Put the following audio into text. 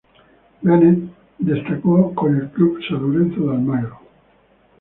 Bennet destacó con el club San Lorenzo de Almagro.